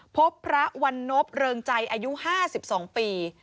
พบพระวันนบเริงใจอายุ๕๒ปี